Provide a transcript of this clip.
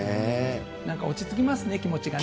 なんか落ち着きますね、気持ちがね。